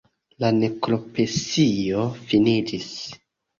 La nekropsio finiĝis.